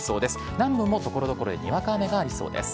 南部もところどころでにわか雨がありそうです。